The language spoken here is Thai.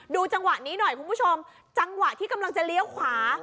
จังหวะนี้หน่อยคุณผู้ชมจังหวะที่กำลังจะเลี้ยวขวา